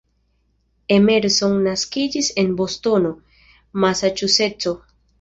Emerson naskiĝis en Bostono, Masaĉuseco.